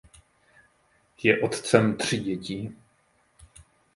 Je otcem tří dětí.